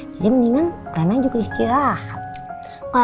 jadi mendingan papa dikasih obat sama mama dari dokter